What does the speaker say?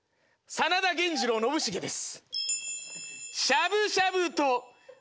真田源次郎信繁です。